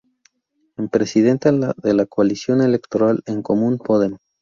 Es presidenta de la coalición electoral En Comú Podem.